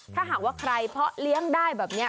ถ้าหากว่าใครเพาะเลี้ยงได้แบบนี้